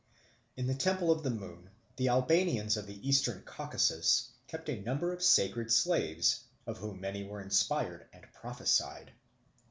In the temple of the Moon the Albanians of the Eastern Caucasus kept a number of sacred slaves, of whom many were inspired and prophesied.